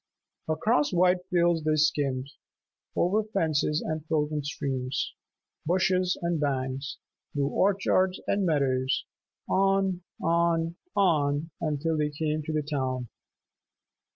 Across white fields they skimmed, over fences and frozen streams, bushes and banks, through orchards and meadows, on, on, on, until they came to the town.